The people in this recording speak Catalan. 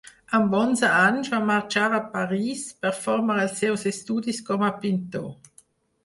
Amb onze anys va marxar a París per formar els seus estudis com a pintor.